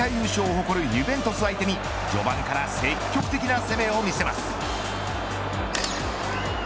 セリエＡ最多優勝を誇るユヴェントス相手に序盤から積極的な攻めを見せます。